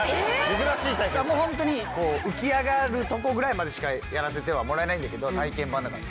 もうホントに浮き上がるとこぐらいまでしかやらせてはもらえないんだけど体験だから。